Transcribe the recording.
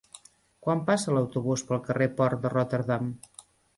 Quan passa l'autobús pel carrer Port de Rotterdam?